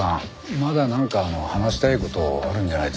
まだなんか話したい事あるんじゃないですか？